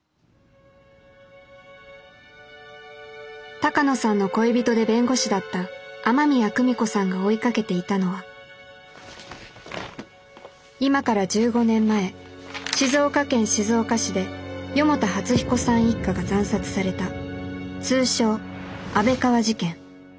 鷹野さんの恋人で弁護士だった雨宮久美子さんが追いかけていたのは今から１５年前静岡県静岡市で四方田初彦さん一家が惨殺された通称安倍川事件。